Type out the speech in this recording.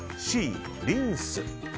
Ｃ、リンス。